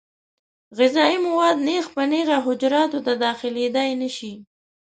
غذایي مواد نېغ په نېغه حجراتو ته داخلېدای نشي.